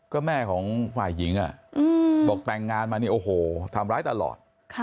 ก็แม่ของฝ่ายหญิงบอกแต่งงานมาเนี่ยโอ้โหทำร้ายตลอด